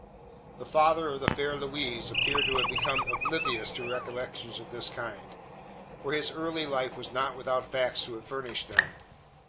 The father of the fair Louise appeared to have become oblivious to recollections of this kind: for his early life was not without facts to have furnished them.